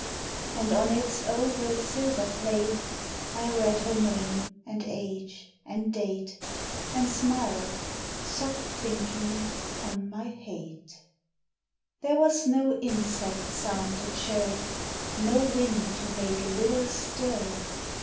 And on its oval silver plate I read her name and age and date, And smiled, soft thinking on my hate. There was no insect sound to chirr; No wind to make a little stir.